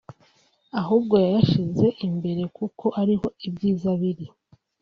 ahubwo yayashyize imbere kuko ari ho ibyiza biri